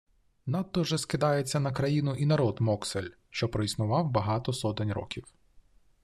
Надто вже скидається на країну і народ Моксель, що проіснував багато сотень років!